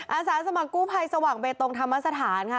อาสาสมัครกู้ภัยสว่างเบตงธรรมสถานค่ะ